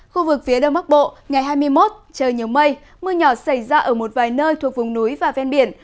khu vực phía đông bắc bộ ngày hai mươi một trời nhiều mây mưa nhỏ xảy ra ở một vài nơi thuộc vùng núi và ven biển